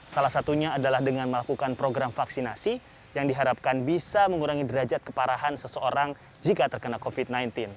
salah satunya adalah dengan melakukan program vaksinasi yang diharapkan bisa mengurangi derajat keparahan seseorang jika terkena covid sembilan belas